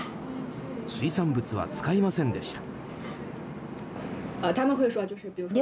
水産物は使いませんでした。